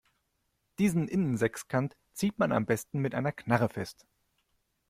Diesen Innensechskant zieht man am besten mit einer Knarre fest.